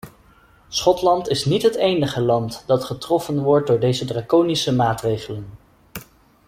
Schotland is niet het enige land dat getroffen wordt door deze draconische maatregelen.